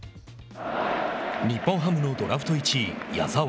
日本ハムのドラフト１位矢澤。